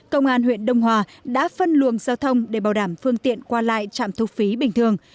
công an huyện đông hòa đã phân luồng giao thông để bảo đảm phương tiện qua lại trạm thu phí bình thường